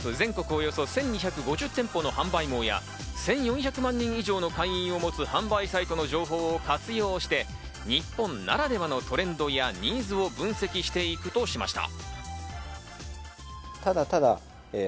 およそ１２５０店舗の販売網や１４００万人以上の会員を持つ販売サイトの情報を活用して、日本ならではのトレンドやニーズを分析していくとしました。